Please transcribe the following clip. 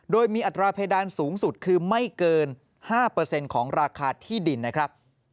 โดยมีอัตราเพดานสูงสุดคือไม่เกิน๕ของราคาที่ดินนะครับ